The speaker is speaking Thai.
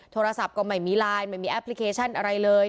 โทรศัพท์ก็ไม่มีไลน์ไม่มีแอปพลิเคชันอะไรเลย